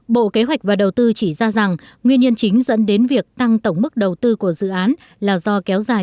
bộ kế hoạch và đầu tư chỉ ra rằng nguyên nhân chính dẫn đến việc tăng tổng mức đầu tư của dự án là do kéo dài